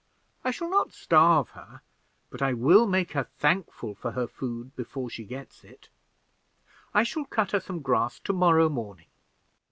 I shall not starve her, but I will make her thankful for her food before she gets it. I shall cut her some grass to morrow morning."